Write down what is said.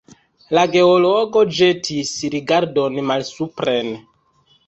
La geologo ĵetis rigardon malsupren.